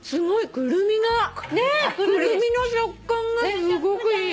クルミの食感がすごくいい。